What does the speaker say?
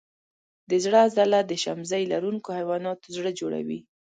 د زړه عضله د شمزۍ لرونکو حیواناتو زړه جوړوي.